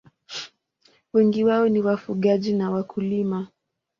Wengi wao ni wafugaji na wakulima.